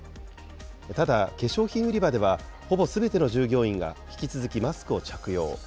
ただ化粧品売り場では、ほぼすべての従業員が引き続きマスクを着用。